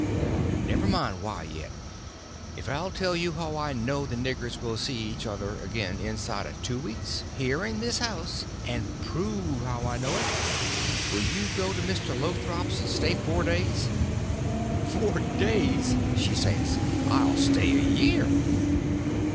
"Never mind why yet. If I'll tell you how I know the niggers will see each other again inside of two weeks—here in this house—and prove how I know it—will you go to Mr. Lothrop's and stay four days?" "Four days!" she says; "I'll stay a year!"